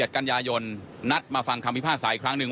กันยายนนัดมาฟังคำพิพากษาอีกครั้งหนึ่ง